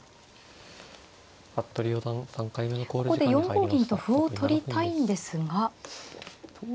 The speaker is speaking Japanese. ここで４五銀と歩を取りたいんですが。